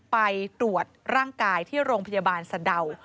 ไปตรวจร่างกายที่โรงพยาบาลสะดาว